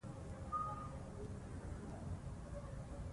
د هغوی دماغي بڼې څېړل شوې دي.